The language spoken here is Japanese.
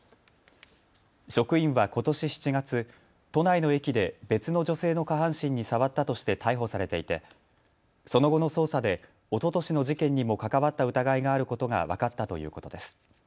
職員はことし７月、都内の駅で別の女性の下半身に触ったとして逮捕されていてその後の捜査でおととしの事件にも関わった疑いがあることが分かったということです。